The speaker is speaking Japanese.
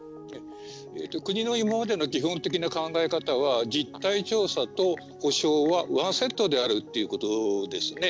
国の今までの基本的な考え方は実態調査と補償はワンセットであるということです。